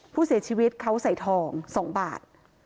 ผู้เสียชีวิตเขาใส่ทอง๒บาท